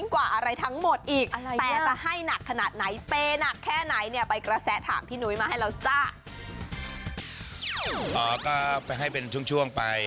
ก็ไปให้เป็นช่วงไป